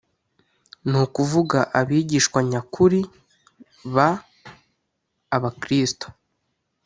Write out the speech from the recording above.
ni ukuvuga abigishwa nyakuri b Abakristo